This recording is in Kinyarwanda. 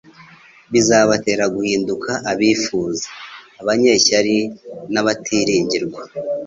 bizabatera guhinduka abifuza, abanyeshyari, n'abatiringirwa.